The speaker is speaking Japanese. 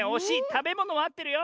たべものはあってるよ。